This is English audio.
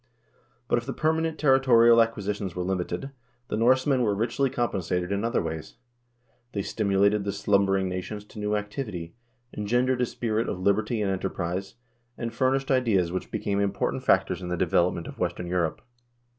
But if the permanent terri torial acquisitions were limited, the Norsemen were richly compen sated in other ways. They stimulated the slumbering nations to new activity, engendered a spirit of liberty and enterprise, and fur nished ideas which became important factors in the development of western Europe.